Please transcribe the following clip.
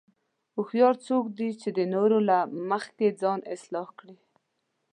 هوښیار څوک دی چې د نورو نه مخکې ځان اصلاح کوي.